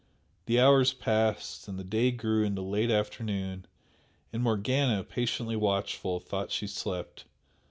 The hours passed and the day grew into late afternoon, and Morgana, patiently watchful, thought she slept.